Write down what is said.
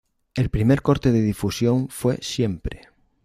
El primer corte de difusión fue "Siempre".